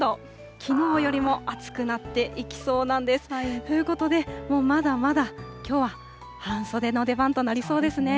きのうよりも暑くなっていきそうなんです。ということで、もうまだまだきょうは半袖の出番となりそうですね。